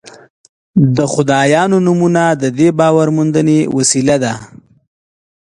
د خدایانو نومونه د دې باور موندنې وسیله ده.